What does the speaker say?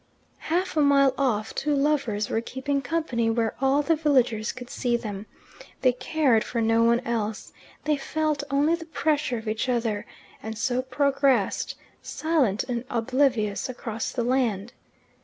Half a mile off two lovers were keeping company where all the villagers could see them. They cared for no one else; they felt only the pressure of each other, and so progressed, silent and oblivious, across the land.